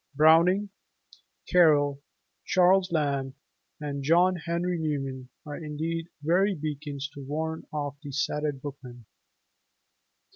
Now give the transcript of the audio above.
Browning, Carlyle, Charles Lamb, and John Henry Newman are indeed very beacons to warn off the sated bookman.